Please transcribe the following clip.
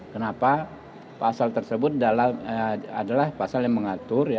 kenapa pasal tersebut adalah pasal yang mengatur